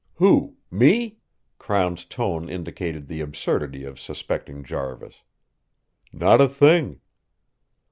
"Who? Me?" Crown's tone indicated the absurdity of suspecting Jarvis. "Not a thing."